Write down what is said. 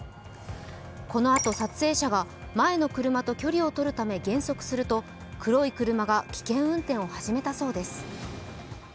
このあと撮影者が前の車と距離をとるため減速すると黒い車が危険運転を始めたそうです。